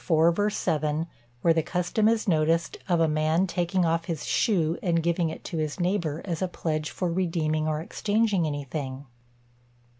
7, where the custom is noticed of a man taking off his shoe and giving it to his neighbour, as a pledge for redeeming or exchanging anything.